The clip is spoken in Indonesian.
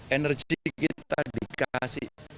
energi kita dikasih